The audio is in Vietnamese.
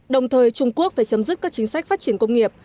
đồng thời trung quốc phải chấm dứt các chính sách phát triển công nghiệp